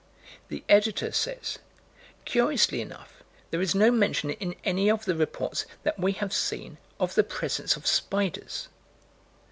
The Editor says: "Curiously enough, there is no mention in any of the reports that we have seen, of the presence of spiders."